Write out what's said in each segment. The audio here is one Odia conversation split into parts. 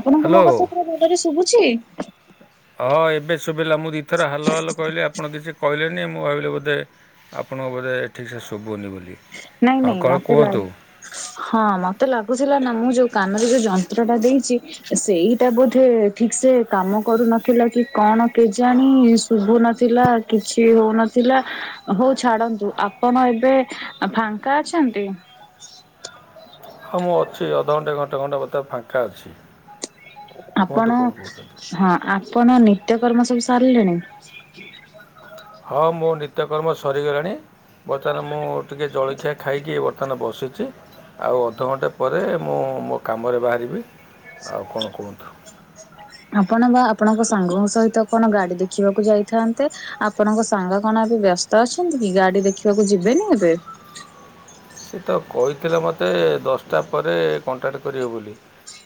ଆପଣଙ୍କୁ ହ୍ୟାଲୋ ମୋ କଥା ପୁରା ଭଲରେ ଶୁଭୁଛି? ହଁ ଏବେ ଶୁଭିଲା ମୁଁ ଦୁଇଥର ହାଲୋ ହାଲୋ କହିଲି ଆପଣ କହିଲେନି ମୁଁ ଭାବିଲି ବୋଧେ ଆପଣଙ୍କ ବୋଧେ ଠିକ୍ ସେ ଶୁଭୁନି ବୋଲି ନାଇଁ ହଁ ନାଇଁ କ'ଣ ମତେ ଲ କୁହନ୍ତୁ ହଁ ମତେ ଲାଗୁଥିଲା ନା ମୁଁ ଯଉ କାନରେ ଯୋଉ ଯନ୍ତ୍ର ଟା ଦେଇଛି ସେଇଟା ବୋଧେ ଠିକ ସେ କାମ କରୁନଥିଲା କି କଣ କେଜାଣି? ଶୁଭୁ ନଥିଲା କିଛି ହଉନଥିଲା ହଉ ଛାଡନ୍ତୁ ଆପଣ ଏବେ ଆଉ ଫାଙ୍କା ଅଛନ୍ତି? ହଁ ମୁଁ ଅଛି ଅଧଘଣ୍ଟେ ଘଣ୍ଟେ ଘଣ୍ଟା ବୋଧେ ଫାଙ୍କା ଅଛି। କୁହନ୍ତୁ ଆପଣ କ'ଣ କହୁଛନ୍ତି ହଁ ଆପଣ ନିତ୍ୟକର୍ମ ସବୁ ସାରିଲେଣି? ହଁ ମୋ ନିତ୍ୟକର୍ମ ସରିଗଲାଣି। ବର୍ତ୍ତମାନ ମୁଁ ଟିକିଏ ଜଳଖିଆ ଖାଇକି ବର୍ତ୍ତମାନ ବସିଛି ଆଉ ଅଧଘଣ୍ଟା ପରେ ମୁଁ ମୋ କାମରେ ବାହାରିବି। ଆଉ କ'ଣ କୁହନ୍ତୁ [unintelligible] ଆପଣ ବା ଆପଣଙ୍କ ସାଙ୍ଗ ଙ୍କ ସହିତ କଣ ଗାଡି ଦେଖିବାକୁ ଯାଇଥାନ୍ତେ? ଆପଣଙ୍କ ସାଙ୍ଗ କଣ ଏବେ ବ୍ୟସ୍ତ ଅଛନ୍ତି କି ଗାଡି ଦେଖିବାକୁ ଯିବେନି ଏବେ? ସେ ତ କହିଥିଲେ ମୋତେ ଦଶଟା ପରେ କଣ୍ଟାକ୍ଟ କରିବେ ବୋଲି।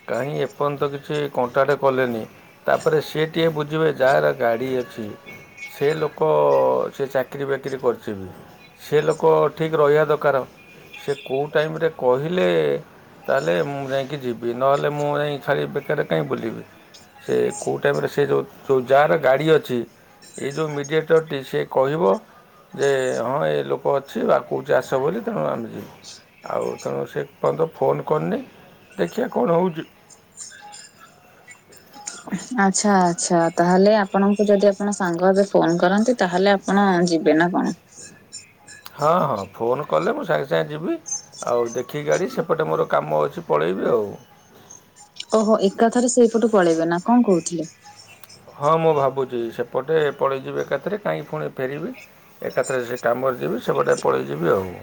କାହିଁ ଏ ପର୍ଯ୍ୟନ୍ତ କିଛି କଣ୍ଟାଟେ କଲେନି? ତାପରେ ସି ଟିିଏ ବୁଝିବେ ଯାହାର ଗାଡ଼ି ଅଛି ସେ ଲୋକ ସେ ଚାକିରି ବାକିରି କରିଛି ସେ ଲୋକ ଠିକ୍ ରହିବା ଦରକାର ସେ କଉଁ ଟାଇମ ରେ କହିଲେ ତା ହେଲେ ମୁଁ ଯାଇକି ଯିବି ନହେଲେ ମୁଁ ଯାଇକି ଖାଲି ବେକାରେ କାହିଁ ବୁଲିବି। ସେ କେଉଁ ଟାଇମରେ ସେ ଯଉଁ ଯାହାର ଗାଡ଼ି ଅଛି ଏଇ ଯେଉଁ ମିଡ଼ିଏଟର୍ଟି ସେ କହିବ ଯେ ହଁ ଏ ଲୋକ ଅଛି ବା କହୁଛି ଆସ ବୋଲି ତେଣୁ ଆମେ ଯିବୁ ଆଉ ତେଣୁ ସେ ପର୍ଯ୍ୟନ୍ତ ଫୋନ୍ କରିନି ଦେଖିବା କଣ ହେଉଛି। ଆଚ୍ଛା ଆଚ୍ଛା ତାହେଲେ ଆପଣଙ୍କୁ ଯଦି ଆପଣ ସାଙ୍ଗ ଏବେ ଫୋନ୍ କରନ୍ତି ତାହେଲେ ଆପଣ ଯିବେ ନା କଣ? ହଁ ହଁ ଫୋନ୍ କଲେ ମୁଁ ସାଙ୍ଗେ ସାଙ୍ଗେ ଯିବି। ଆଉ ଦେଖିକି ଗାଡ଼ି ସେପଟେ ମୋର କାମ ଅଛି ପଳେଇବି ଆଉ। ଓହୋ ଏକାଥରେ ସେପଟୁ ପଳେଇବେ ନା କଣ କହୁଥିଲେ? ହଁ ମୁଁ ଭାବୁଛି ସେପଟେ ପଳେଇଯିବି ଏକାଥରେ କାହିଁକି ପୁଣି ଫେରିବି? ଏକାଥାରେ ସେ କାମରେ ଯିବି ସେପଟେ ପଳେଇଯିବି ଆଉ।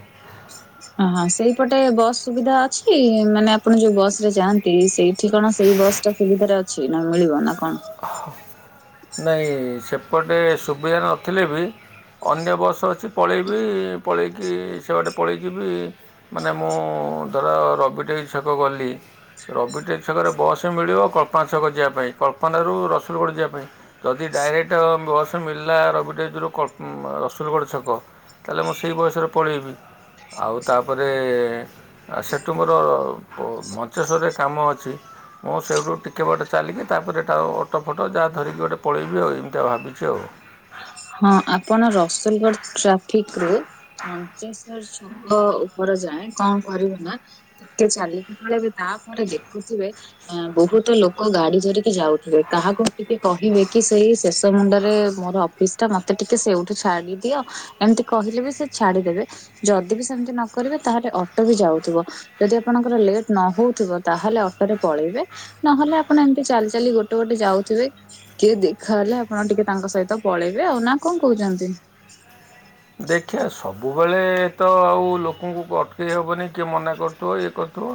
ହ ହଁ ସେଇପଟେ ବସ୍ ସୁବିଧା ଅଛି? ମାନେ ଆପଣ ଯୋଉ ବସ ରେ ଯାଆନ୍ତି ସେଇଠି କଣ ସେଇ ବସ୍ ସୁବିଧାରେ ଅଛି ନା ମିଳିବ ନା କଣ? ହ ନାଇ ସେପଟେ ସୁବିଧା ନଥିଲେ ବି ଅନ୍ୟ ବସ୍ ଅଛି ପଳେଇବି ପଳେଇକି ସେବାଟେ ପଳେଇ ଯିବି। ମାନେ ମୁଁ ଧର ରବିଟ ଛକ ଗଲି ରବିଟେ ଛକରେ ବସ୍ ମିଳିବ କଳ୍ପନା ଛକ ଯିବା ପାଇଁ କଳ୍ପନା ରୁ ରସୁଲଗଡ଼ ଯିବା ପାଇଁ। ଯଦି ଡାଇରେକ୍ଟ ବସ୍ ମଳିଲା ରବିଡେଜରୁ ରସୁଲଗଡ଼ ଛକ ତା ହେଲେ ମୁଁ ସେଇ ବୟସରେ ପଳେଇବି ଆଉ ତାପରେ ଆ ସେଠୁ ମୋର ମଞ୍ଚେଶ୍ୱରରେ କାମ ଅଛି? ମୁଁ ସେଇଠୁ ଟିକେ ବଟେ ଚାଲିକି ତାପରେ ଟାଉ ଅଟୋ ଫଟୋ ଯାହା ଧରିକି ଗୋଟେ ପଳେଇବି ଏମିତି ଆଉ ଭାବିଛି ଆଉ। ହଁ ଆପଣ ରସୁଲଗଡ ଟ୍ରାଫିକ ରୁ ମ ଶୋକ ଉପରେ ଯାଏ କଣ କରିବେ ନା ଟିକେ ଚାଲିକି ପଳେଇବେ ତାପରେ ଦେଖୁଥିବେ ବହୁତ ଲୋକ ଗାଡି ଧରିକି ଯାଉଥିବେ କାହାକୁ ଟିକେ କହିବେ କି ସେଇ ଶେଷ ମୁଣ୍ଡରେ ମୋର ପିସ ଟା ମତେ ଟିକେ ସେଇଉଠୁ ଛାଡିଦିଅ ଏମିତି କହିଲେ ବି ସେ ଛାଡିଦେବେ। ଯଦି ବି ସେମିତି ନ କରିବେ ତାହେଲେ ଅଟୋ ବି ଯାଉଥିବ। ଯଦି ଆପଣଙ୍କର ଲେଟ୍ ନ ହଉଥିବ ତାହେଲେ ଅଟୋରେ ପଳେଇବେ। ନହେଲେ ଆପଣ ଏମିତି ଚାଲି ଚାଲି ଗୋଟେ ଗୋଟେ ଯାଉଥିବେ କିଏ ଦେଖାହେଲେ ଆପଣ ଟିକେ ତାଙ୍କ ସହିତ ପଳେଇବେ ଆଉ ନା କଣ କହୁଛନ୍ତି। ଦେଖିବା ସବୁବେଳେ ତ ଆଉ ଲୋକଙ୍କୁ ଅଟକେଇ ହେବନି କିଏ ମନା କରୁଥିବ ଇଏ କରୁଥିବ।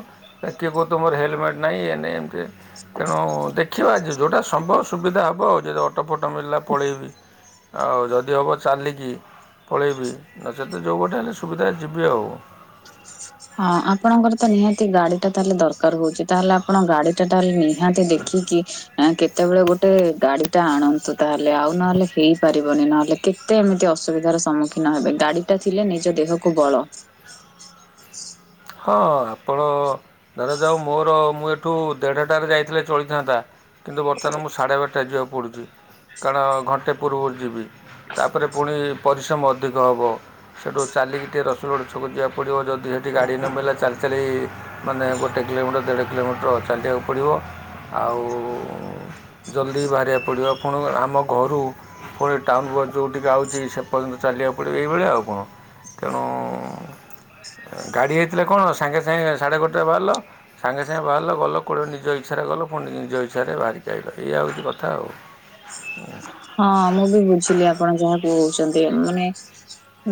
କିଏ କହୁଥିଵ ତୁମର ହେଲମେଟ ନାହିଁ ଏ ନାହିଁ ଏମ କେ। ତେଣୁ ଦେଖିବା ଆଜି ଯେଉଁଟା ସମ୍ଭବ ସୁବିଧା ହେବ ଆଉ ଯଦି ଅଟୋ। ଅଟୋ ମଳିଲା ପଳେଇବି ଆଉ ଯଦି ହେବ ଚାଲିକି। ପଳେଇବି ନ ସହିତ ଯେଉଁ ଗୋଟେ ହେଲେ ସୁବିଧା ଯିବି ଆଉ। ହଁ ଆପଣଙ୍କର ତ ନିହାତି ଗାଡି ଟା ତାହେଲେ ଦରକାର ହଉଛି ତାହେଲେ ଆପଣ ଗାଡି ଟା ନି ନିହାତି ଦେଖିକି। ନା କେତେବେଳେ ଗୋଟେ ଗାଡି ଟା ଆଣନ୍ତୁ ତାହେଲେ ଆଉ ନହେଲେ ହେଇପାରିବନି ନହେଲେ। କେତେ ଏମିତି ଅସୁବିଧାର ସମ୍ମୁଖୀନ ହେବେ ଗାଡି ଟା ଥିଲେ ନିଜ ଦେହକୁ ବଳ। ହଁ ଆପଣ। ଧରା ଯାଉ ମୋର ମୁଁ ଏଠୁ ଦେଢଟାରେ ଯାଇଥିଲେ ଚଳିଥାନ୍ତା। କିନ୍ତୁ ବର୍ତ୍ତମାନ ମୁଁ ସାଢ଼େ ବାରଟା ଯିବାକୁ ପଡ଼ୁଛି କାରଣ ଘଣ୍ଟେ ପୂର୍ବରୁ ଯିବି। ତାପରେ ପୁଣି ପରିଶ୍ରମ ଅଧିକ ହେବ ସେଠୁ ଚାଲିକି ଟିକେ ର ଚଡ଼ ଛକ ଯିବାକୁ ପଡ଼ିବ ଯଦି ସେଇଠି ଗାଡ଼ି ନ ମିିଲା ଚାଲି ଚାଲି ମାନେ ଗୋଟେ। କିଲୋମିଟର ଦେଢ଼ କିଲୋମିଟର ଚାଲିବାକୁ ପଡ଼ିବ ଆଉ। ଜଲ୍ଦି ବାହାରିବାକୁ ପଡ଼ିବ ପୁଣି ଆମ ଘରୁ ପୁଣି ଟାଉନ ବସ୍ ଯେଉଁଠିକି ଆଉଛି ସେପର୍ଯ୍ୟନ୍ତ। ଚାଲିବାକୁ ପଡ଼ିବ ଏଇଭଳିଆ ଆଉ କଣ ତେଣୁ ଗାଡ଼ି ହେଇ ସାଙ୍ଗେ ସାଙ୍ଗେ ସାଢେ ଗୋଟାଏ ବାହାରିଲା। ସାଙ୍ଗେ ସାଙ୍ଗେ ବାହାରିଲ ଗଲ କେଉଁଠି ନିଜ ଇଚ୍ଛାରେ ଗଲ ପୁଣି ନିଜ ଇଚ୍ଛାରେ ବାହାରିଇପାରେ ହେଉଛି କଥା ଆଉ। ହଁ ମୁଁ ବି ବୁଝିଲି ଆପଣ ଯାହାକୁ କହୁଛନ୍ତି ମାନେ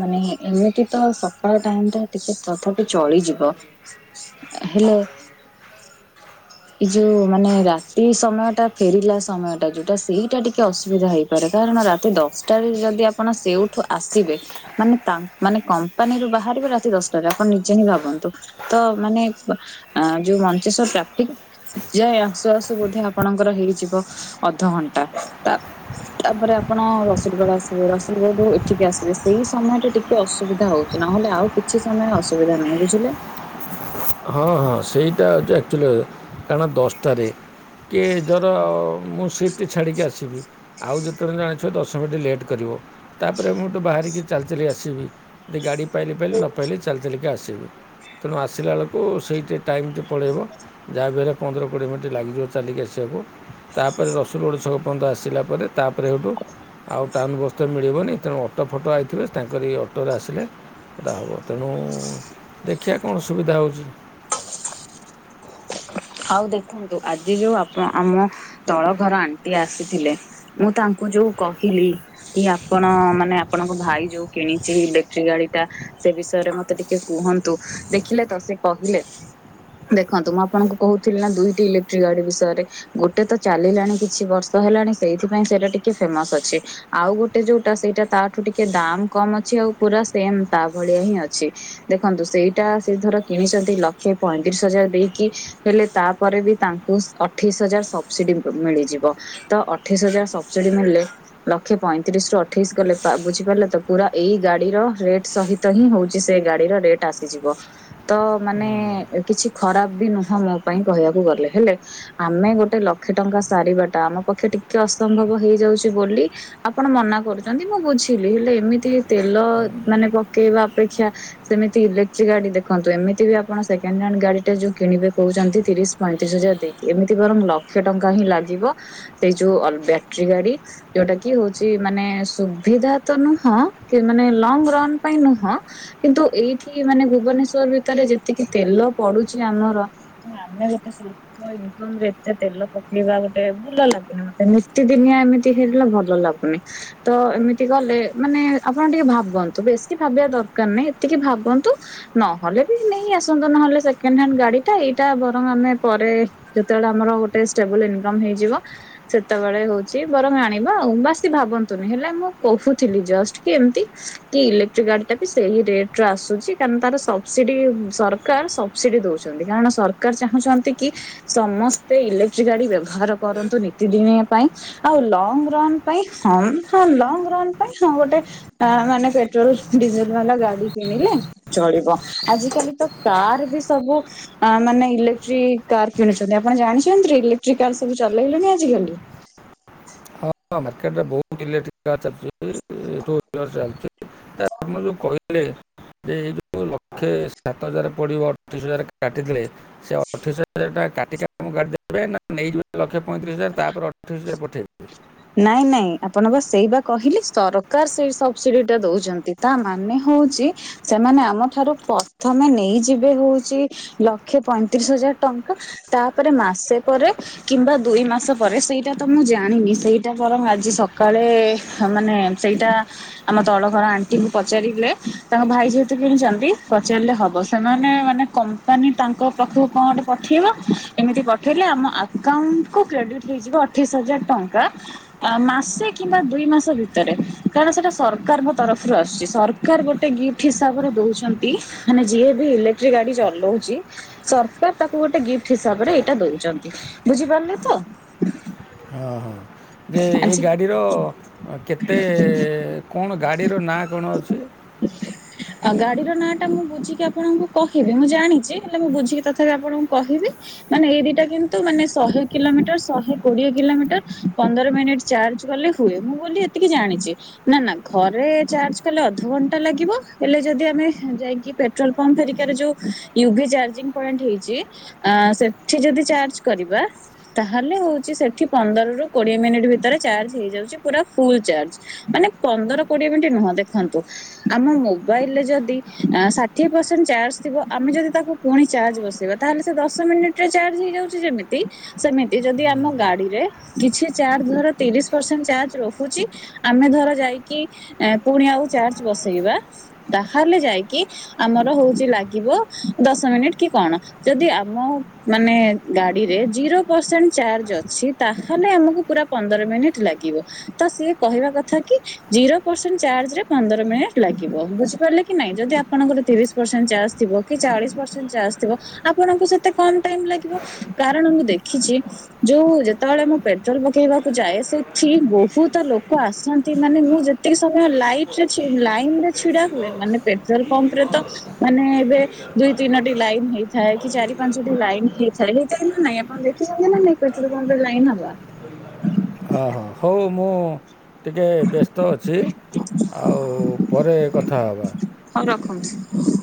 ମାନେ ଏମିତି ତ ସକାଳ ଟାଇମ ଟ ଟିକେ ତଥାପି ଚଳିଯିବ। ହାଲୋ। ଏଇ ଯୋଉ ମାନେ ରାତି ସମୟ ଟା ଫେରିଲା ସମୟ ଟା ଯୋଉଟା ସେଇଟା ଟିକେ ଅସୁବିଧା ହେଇ କାରଣ ରାତି ଦଶଟାରେ ଯଦି ଆପଣ ସେଇଉଠୁ ଆସିବେ। ମାନେ ମାନେ କମ୍ପାନୀରୁୁ ବାହାରିବେ ରାତି ଦଶଟାରେ ଆପଣ ନିଜେ ହିଁ ଭାବନ୍ତୁ। ତ ମାନେ ଯୋଉ ମଞ୍ଚେଶ୍ଵର ଟ୍ରାଫିକ। ଯାଇ ଆସୁ ଆସୁ ବୋଧେ ଆପଣଙ୍କର ହେଇଯିବ ଅଧଘଣ୍ଟା ତା। ତାପରେ ଆପଣ ରସୁଲଗଡ ଆସିବେ ରସୁଲଗଡ ଏଠିକି ଆସିବେ ସେଇ ସମୟ ଟା ଟି ଟିକେ ଅସୁବିଧା ହଉଛି ନହେଲେ ଆଉ କିଛି ସମୟ ଅସୁବିଧା ନାହିଁ ବୁଝିଲେ। ହଁ ହଁ ସେଇଟା ହେଉଛି ଆକ୍ଚୁଆଲି। କାରଣ ଦଶଟାରେ କି ଜର ମୁଁ ସିଫ୍ଟ ଛାଡ଼ିକି ଆସିବି। ଆଉ ଯେତେବେଳେ ଜାଣିଛିବ ଦଶ ମିନିଟ ଲେଟ୍ କରିବ ତାପରେ ମୁଁ ତୁ ବାହାରିକି ଚାଲି ଚାଲି ଚାଲି ଆସିବି ଯ ଗାଡ଼ି ପାଇଲି ପାଇଲି ନ ପାଇଲି ଚାଲି ଚାଲିକି ଆସିବି। ତେଣୁ ଆସିଲା ବେଳକୁ ସେଇଠି ଟାଇମ୍ଟି ପଳାଇବ ଯାହା ବି ହେଲେ ପନ୍ଦର କୋଡ଼ିଏ ମିନିଟ୍ ଲାଗିଯିବ ଚାଲିକି ଆସିବାକୁ। ତାପରେ ରସୁଲଗଡଛକ ପର୍ଯ୍ୟନ୍ତ ଆସିଲା ପରେ ତାପରେ ହେଉଠୁ ଆଉ ଟାଉନ ବସ୍ ତେ ମିଳିବନି ତେଣୁ ଅଟୋ ଫଟୋ ଆସିଥିଲେ ତାଙ୍କର ଏଇ ଅଟୋରେ ଆସିଲେ। ଏଇଟା ହବ ତେଣୁ ଦେଖିଆ କଣ ସୁବିଧା ହେଉଛି। ଆଉ ଦେଖନ୍ତୁ ଆଜି ଯୋଉ ଆପଣ ଆମ ତଳ ଘର ଆଣ୍ଟି ଆସିଥିଲେ। ମୁଁ ତାଙ୍କୁ ଯୋଉ କହିଲି। କି ଆପଣ ମାନେ ଆପଣଙ୍କ ଭାଇ ଯୋଉ କିଣିଛି ଇଲେକ୍ଟ୍ରିକ ଗାଡି ଟା ସେ ବିଷୟରେ ମତେ ଟିକେ କୁହନ୍ତୁ ଦେଖିଲେ ତ ସେ କହିଲେ ଦେଖନ୍ତୁ ମୁଁ ଆପଣଙ୍କୁ। କହୁଥିଲେ ନା ଦୁଇଟି ଇଲେକ୍ଟ୍ରିକ ଗାଡି ବିଷୟରେ। ଗୋଟେ ତ ଚାଲିଲାଣି କିଛି ବର୍ଷ ହେଲାଣି ସେଇଥିପାଇଁ ସେଇଟା ଟିକେ ଫେମସ ଅଛି। ଆଉ ଗୋଟେ ଯୋଉଟା ସେଇଟା ତାଠୁ ଟିକେ ଦାମ କମ ଅଛି ଆଉ ପୁରା ସେମ ତା ଭଳିଆ ହିଁ ଅଛି। ଦେଖନ୍ତୁ ସେଇଟା ସେ ଧର କିଣିଛନ୍ତି ଲକ୍ଷେ ପଇଁତିରିଶ ହଜାର ଦେଇକି। ହେଲେ ତାପରେ ବି ତାଙ୍କୁ ଅଠେଇଶି ହଜାର ସବସିଡି ମିଳିଯିବ। ତ ଅଠେଇଶି ହଜାର ସବସିଡି ମଳିଲେ ଲକ୍ଷେ ପଇଁତିରିଶ ରୁ ଅଠେଇଶି ଗଲେ ବା ବୁଝିପାରିଲେ ତ ପୁରା ଏଇ ଗାଡି ର ରେଟ୍ ସହିତ ହିଁ ହଉଛି ସେ ଗାଡିର ରେଟ ଆସିଯିବ ତ ମାନେ କିଛି ଖରାପ ବି ନୁହଁ। ହଁ ମୋ ପାଇଁ କହିବାକୁ ଗଲେ ହେଲେ ଆମେ ଗୋଟେ ଲକ୍ଷେ ଟଙ୍କା ସାରିବା ଟା ଆମ ପକ୍ଷେ ଟିକେ ଅସମ୍ଭବ ହେଇଯାଉଛିୁ ବୋଲି ଆପଣ ମନା କରୁଛନ୍ତି ମୁଁ ବୁଝିଲି ହେଲେ ଏମିତି ତେଲ ମାନେ ପକେଇବା ଅପେକ୍ଷା ସେମିତି ଇଲେକ୍ଟ୍ରିକ ଗାଡି ଦେଖନ୍ତୁ ଏମିତି ବି ଆପଣ ସେକଣ୍ଡ ହ୍ୟାଣ୍ଡ ଗାଡି ଟା ଯୋଉ କିଣିବେ। କହୁଛନ୍ତି ତିରିଶ ପଇଁତିରିଶ ହଜାର ଦେଇକି ଏମିତି ବରଂ ଲକ୍ଷେ ଟଙ୍କା ହିଁ ଲାଗିବ। ସେଇ ଯୋଉ ଅ ବ୍ୟାଟେରୀ ଗାଡି ଯୋଉଟା କି ହଉଛି ମାନେ ସୁବିଧା ତ ନୁହଁ କି ମାନେ ଲଙ୍ଗ ରନ ପାଇଁ ନୁହଁ। କିନ୍ତୁ ଏଇଠି ମାନେ ଭୁବନେଶ୍ଵର ଭିତରେ ଯେତିକି ତେଲ ପଡୁଛି ଆମର ହଁ ଆମେ ଗଟେ ସେ ଇନ ରେ ଏତେ ତେଲ ପକେଇବା ଗୋଟେ ଭଲ ଲାଗୁନି ମତେ ନିତିଦିନିଆ ଏମିତି ହେରିଲା ଭଲ ଲାଗୁନି। ତ ଏମିତି ଗଲେ ମାନେ ଆପଣ ଟିକେ ଭାବନ୍ତୁ ବେଶୀ ଭାବିବା ଦରକାର ନାହିଁ ଏତିକି ଭାବନ୍ତୁ। ନହେଲେ ବି ନେଇ ଆସନ୍ତୁ ନହେଲେ ସେକେଣ୍ଡ ହ୍ୟାଣ୍ଡ ଗାଡି ଟା ଏଇ ଟା ବରଂ ଆମେ ପରେ ଯେତେବେଳେ ଆମର ଗୋଟେ ଷ୍ଟେବଲ ଇନକମ ହେଇଯିବ। ସେତେବେଳେ ହଉଛି ବରଂ ଆଣିବା ଆଉ ବାସି ଭାବନ୍ତୁନି ହେଲେ ମୁଁ କହୁଥିଲି ଜଷ୍ଟ କି ଏମିତି କି ଇଲେକ୍ଟ୍ରିକ ଗାଡି ଟା ବି ସେଇ ରେଟରେ ଆସୁଛି କାରଣ ତାର ସବସିଡି ସରକାର ସ ସିଡ଼ ଦଉଛନ୍ତି କାରଣ ସରକାର ଚାହୁଁଛନ୍ତି କି ସମସ୍ତେ ଇଲେକ୍ଟ୍ରିକ ଗାଡି ବ୍ୟବହାର କରନ୍ତୁ ନିତିଦିନିଆ ପାଇଁ। ଆଉ ଲଙ୍ଗ ରନ୍ ପାଇଁ ହଁ ହଁ ଲଙ୍ଗ ରନ୍ ପାଇଁ ହଁ ଗୋଟେ ମାନେ ପେଟ୍ରୋଲ ଡିଜେଲ ବାଲା ଗାଡି କିଣିଲେ ଚଳିବ ଆଜିକାଲି ତ କାର ବି ସବୁ ମାନେ ଇଲେକ୍ଟ୍ରିକ କାର କିଣୁଛନ୍ତି ଆପଣ ଜାଣିଛନ୍ତି ଇଲେକ୍ଟ୍ର କାର ସବୁ ଚଲେଇଲେଣିି ଆଜିିକାଲି ହଁ ମାର୍କେଟରେ ବହୁତ ଇଲେକ୍ଟ୍ରି କାର ଚାଲଛି। ତା ଆପଣ ଯୋଉ କହିଲେ ଯେ ଏଇ ଯୋଉ ଲକ୍ଷେ ସାତ ହଜାର ପଡିବ ଅଠେଇଶ ହଜାର କାଟିଥିଲେ ସେ ଅଠେଇଶ ହଜାର ଟା କା ତମ ଗାଡ଼ି ଦେବେ ନା ନେଇଯିବେ ଲକ୍ଷେ ପଇଁତିରିଶ ହଜାର ତାପରେ ଅଠେଇଶ ହଜାର ପଠେଇବେ। ନାଇଁ ନାଇଁ ଆପଣଙ୍କ ସେଇ ବା କହିଲେ ସରକାର ସେଇ ସବସିଡି ଟା ଦଉଛନ୍ତି ତା ମାନେ ହଉଛି ସେମାନେ ଆମଠାରୁ ପ୍ରଥମେ ନେଇଯିବେ ହଉଛି ଲକ୍ଷେ ପଇଁତିରିଶ ହଜାର ଟଙ୍କା। ତାପରେ ମାସେ ପରେ କିମ୍ବା ଦୁଇ ମାସ ପରେ ସେଇଟା ତ ମୁଁ ଜାଣିନି ସେଇ ସେଟା ବରଂ ଆଜି ସକାଳେ ମାନେ ସେଇଟା ଆମ ତଳ ଘର ଆଣ୍ଟିକୁ ପଚାରେ ତାଙ୍କ ଭାଇ ଯେହେତୁ କିଣିଛନ୍ତି ପଚାରିଲେ ହବ ସେମାନେ ମାନେ କମ୍ପାନୀ ତାଙ୍କ ପାଖକୁ କଣ ଗଟେ ପଠେଇବ ଏମିତି ପଠେଇଲେ ଆମ ଆକାଉଣ୍ଟ କୁ କ୍ରେଡିଟ୍ ହେଇଯିବ। ପଚିଶ ହଜାର ଟଙ୍କା। ମାସେ କିମ୍ବା ଦୁଇ ମାସ ଭିତରେ କାରଣ ସେଟା ସରକାରଙ୍କ ତରଫରୁ ଆସୁଛି ସର ସ ଗୋଟେ ଗିଫ୍ଟ ହିସାବରେ ଦଉଛନ୍ତି ମାନେ ଯିଏ ବି ଇଲେକ୍ଟ୍ରିକ ଗାଡି ଚଲାଉଛି। ସରକାର ତାକୁ ଗୋଟେ ଗିଫ୍ଟ ହିସାବରେ ଏଇଟା ଦଉଚନ୍ତି ବୁଝିପାରିଲେ ତ। ଅ ହଁ। ଯେ ଏ ଆଜି ଗାଡ଼ିର କେତେ କଣ ଗାଡ଼ିର ନାଁ କଣ ଅଛି? ହ ଆଉ ଗାଡିର ନାଁ ଟା ମୁଁ ବୁଝିକି ଆପଣଙ୍କୁ କହିବି ମୁଁ ଜାଣିଛି ହେଲେ ମୁଁ ବୁଝିକି ତଥାପି ଆପଣଙ୍କୁ କହିବି। ମାନେ ଏଇ ଦିଟା କିନ୍ତୁ ମାନେ ଶହେ କିଲୋମିଟର ଶହେ କୋଡିଏ କିଲୋମିଟର। ପନ୍ଦର ମିନିଟ ଚାର୍ଜ କଲେ ହୁଏ ମୁଁ ବୋଲି ଏତିକି ଜାଣିଛି। ନା ନା ଘରେ ଚାର୍ଜ କଲେ ଅଧଘଣ୍ଟା ଲାଗିବ ହେଲେ ଯଦି ଆମେ ଯାଇକି ପେ ପେଟ୍ରଲ ପମ୍ପ ଫେରକାରେ ଯୋଉ ୟୁଗି ଚାଜିଙ୍ଗୀ ପଏଣ୍ଟ ହେଇଛି। ଆ ସେଠି ଯଦି ଚାର୍ଜ କରିବା ତାହେଲେ ହଉଛି ସେଠି ପନ୍ଦରରୁ। କୋଡିଏ ମିନିଟ୍ ଭିତରେ ଚାର୍ଜ ହେଇଯାଉଛି ପୁରା ଫୁଲ ଚାର୍ଜ। ମାନେ ପନ୍ଦର କୋଡିଏ ମିନିଟ୍ ନୁହଁ ଦେଖନ୍ତୁ। ଆମ ମୋବାଇଲ ରେ ଯଦି ଷାଠିଏ ପରସେଣ୍ଟ ଚାର୍ଜ ଥିବ ଆମେ ଯଦି ତାକୁ ପୁଣି ଚାର୍ଜ ବସେଇବା ତାହେଲେ ସେ ଦଶ ମିନିଟ ରେ ଚାର୍ଜ ହେଇଯାଉଛି ଯେମିତି। ସେମିତି ଯଦି ଆମ ଗାଡିରେ କିଛି ଚାର୍ଜ ଧର ତିରିଶ ପରସେଣ୍ଟ ଚାର୍ଜ ରହୁଚି। ଆମେ ଧର ଯାଇକି ପୁଣି ଆଉ ଚାର୍ଜ ବସେଇବା ତାହେଲେ ଯାଇକି ଆମର ହଉଛି ଲାଗିବ ଦଶ ମିନିଟ କି କଣ। ଯଦି ଆମ ମାନେ ଗାଡିରେ ଜିରୋ ପରସେଣ୍ଟ ଚାର୍ଜ ଅଛି ତାହା ହେନେ ଆମକୁ ପୁରା ପନ୍ଦର ମିନିଟ ଲାଗିବ ତ ସିଏ କହିବା କଥା କି ଜିରୋ ପରସେଣ୍ଟ ଚାର୍ଜରେ ପନ୍ଦର ମିନିଟ୍ ଲଗିବ ବୁଝିପାରିଲେ କି ନାଇଁ ଯଦି ଆପଣଙ୍କର ତିରିଶ ପରସେଣ୍ଟ ଚାର୍ଜ ଥିବ କି ଚାଳିଶ ପରସେଣ୍ଟ ଚାର୍ଜ ଥିବ ଆପଣଙ୍କୁ ସେତେ କମ ଟାଇମ୍ ଲାଗିବ କାରଣ ମୁଁ ଦେଖିଚି ଯୋଉ ଯେତେବେଳେ ମୁଁ ପେଟ୍ରୋଲ ପକେଇବାକୁ ଯାଏ ସେଠି ବହୁତ ଲୋକ ଆସନ୍ତି ମାନେ ମୁଁ ଯେତିକି ସମୟ ଲାଇଟ୍। ସେ ଛି ଲାଇନ୍ ରେ ଛିଡା ହୁଏ ମାନେ ପେଟ୍ରୋଲ ପମ୍ପ ରେ ତ ମାନେ ଏବେ ଦୁଇ ତିନୋଟି ଲାଇନ୍ ହେଇଥାଏ କି ଚାରି ପାଞ୍ଚଟି ଲାଇନ୍ ହେଇଥାଏ ହେଇଥାଏ ନା ନାଇଁ ଆପଣ ଦେଖିେଚନ୍ତି ନା ନାଇଁ। ପେଟ୍ରୋଲ ପମ୍ପରେ ଲାଇନ ହବା। ହଁ ହଉ ମୁଁ ଟିକେ ବ୍ୟସ୍ତ ଅଛି ଆଉ ପରେ କଥା ହବା। ହଉ ରଖନ୍ତୁ।